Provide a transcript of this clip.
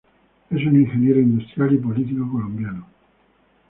Es un ingeniero industrial y político colombiano.